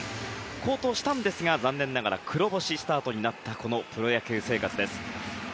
好投したんですが残念ながら黒星スタートになったこのプロ野球生活です。